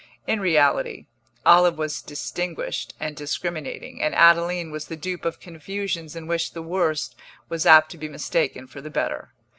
In reality, Olive was distinguished and discriminating, and Adeline was the dupe of confusions in which the worse was apt to be mistaken for the better.